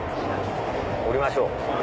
降りましょう。